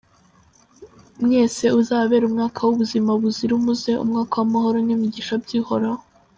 Mwese uzababere umwaka w’ubuzima buzira umuze, umwaka w’amahoro n’imigisha by’Uhoraho.